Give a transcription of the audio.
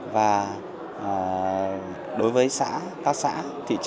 và đối với xã các xã thị trấn trên địa bàn huyện thanh trì